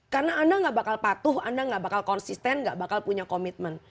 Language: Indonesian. karena anda gak bakal patuh anda gak bakal konsisten gak bakal punya komitmen